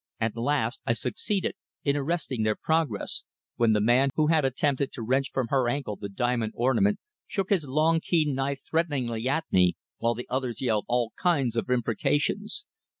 At last I succeeded in arresting their progress, when the man who had attempted to wrench from her ankle the diamond ornament shook his long, keen knife threateningly at me, while the others yelled all kinds of imprecations.